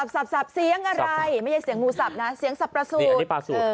สับเสียงอะไรไม่ใช่เสียงงูสับนะเสียงสับประสูจน์